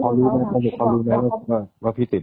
เขารู้เขารู้ค่ะเขารู้อ๋อว่าเขาไปตรวจอยู่แต่เขาไม่ไปตรวจ